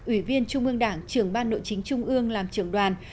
ủy viên trung ương đảng trưởng ban nội chính trung ương làm trưởng đoàn